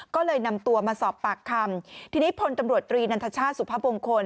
ก็เลยนำตัวมาสอบปากคำทีนี้พลตำรวจตรีนันทชาติสุพมงคล